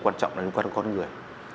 quan trọng là liên quan đến con người